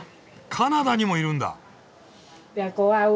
カナダにもいるんだ。